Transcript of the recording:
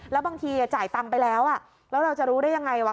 แล้วบางทีจ่ายตังค์ไปแล้วแล้วเราจะรู้ได้ยังไงวะ